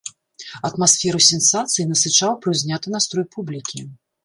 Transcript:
Атмасферу сенсацыі насычаў прыўзняты настрой публікі.